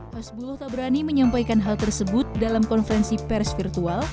hasbullah tak berani menyampaikan hal tersebut dalam konferensi pers virtual